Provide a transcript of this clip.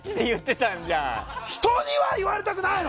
人には言われたくないの！